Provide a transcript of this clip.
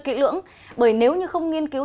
kỹ lưỡng bởi nếu như không nghiên cứu